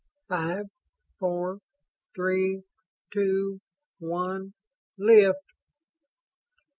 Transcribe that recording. Five! Four! Three! Two! One! Lift!"